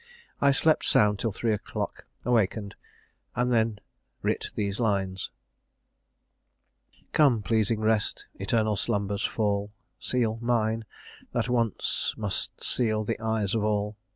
I slept sound till three o'clock, awaked, and then writ these lines Come, pleasing rest! eternal slumbers, fall! Seal mine, that once must seal the eyes of all.